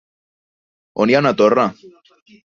On hi ha una torre?